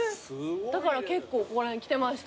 だから結構ここら辺来てました。